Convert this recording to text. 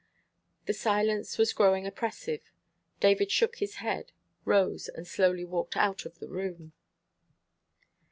The silence was growing oppressive. David shook his head, rose, and slowly walked out of the room.